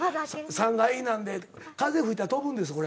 ３階なんで風吹いたら飛ぶんですこれ。